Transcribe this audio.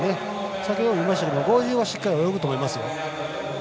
先ほども言いましたけど５０はしっかり泳ぐと思います。